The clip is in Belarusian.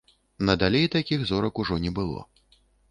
Надалей такіх зорак ужо не было.